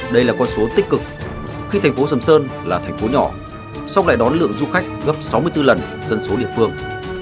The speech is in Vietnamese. đây là con số tích cực khi thành phố sầm sơn là thành phố nhỏ xong lại đón lượng du khách gấp sáu mươi bốn lần dân số địa phương